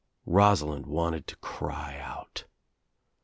Rosalind wanted to cry out.